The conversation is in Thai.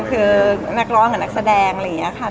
คือนักร้องเหมือนนักแสดงอะไรอย่างนี้ค่ะ